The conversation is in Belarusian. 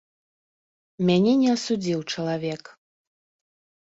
Мяне не асудзіў чалавек.